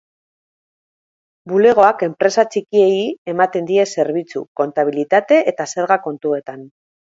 Bulegoak enpresa txikiei ematen die zerbitzu, kontabilitate eta zerga kontuetan.